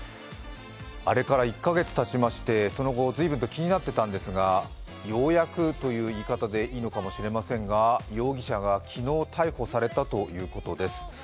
あれから１か月たちますがその後、随分と気になってたんですがようやくという言い方でいいのかもしれませんが、容疑が昨日、逮捕されたということです。